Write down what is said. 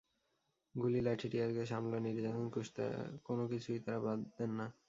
গুলি, লাঠি, টিয়ারগ্যাস, হামলা, নির্যাতন, কুৎসা—কোনো কিছুই তাঁরা বাদ দেন না।